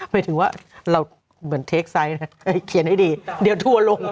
หมายถึงว่าเราเหมือนเทคไซต์นะเขียนให้ดีเดี๋ยวทัวร์ลง